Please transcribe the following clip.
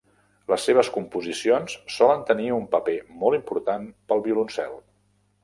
Les seves composicions solen tenir un paper molt important pel violoncel.